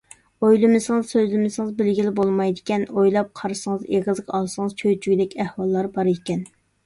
ئويلىمىسىڭىز، سۆزلىمىسىڭىز بىلگىلى بولمايدىكەن، ئويلاپ قارىسىڭىز، ئېغىزغا ئالسىڭىز چۆچۈگۈدەك ئەھۋاللار بار ئىكەن.